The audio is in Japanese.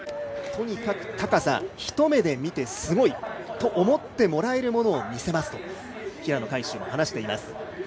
とにかく高さ一目で見てすごいと思ってもらうものを見せますと平野海祝が話しています。